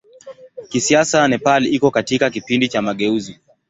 Kisiasa Nepal iko katika kipindi cha mageuzi.